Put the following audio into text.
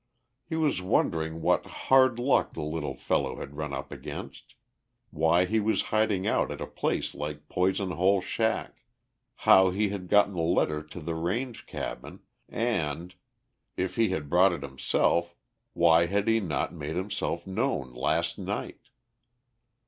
He was wondering what "hard luck" the little fellow had run up against, why he was hiding out at a place like the Poison Hole shack, how he had gotten the letter to the range cabin, and, if he had brought it himself, why he had not made himself known last night.